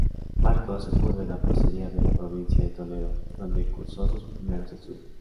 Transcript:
Marcos Sepúlveda procedía de la provincia de Toledo, donde cursó sus primeros estudios.